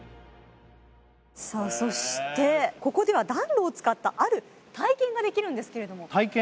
さあそしてここでは暖炉を使ったある体験ができるんですけれども体験？